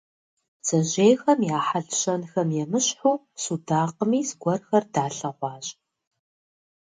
Бдзэжьейхэм я хьэл-щэнхэм емыщхьу судакъми зыгуэрхэр далъэгъуащ.